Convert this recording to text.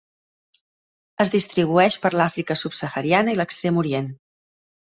Es distribueix per l'Àfrica subsahariana i l'Extrem Orient.